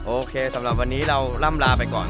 โอเคสำหรับวันนี้เราล่ำลาไปก่อน